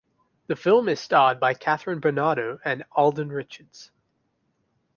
The film is starred by Kathryn Bernardo and Alden Richards.